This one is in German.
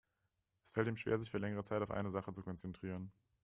Es fällt ihm schwer, sich für längere Zeit auf eine Sache zu konzentrieren.